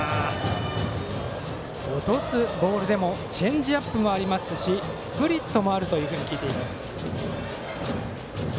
落とすボールでもチェンジアップもありますしスプリットもあると聞いています。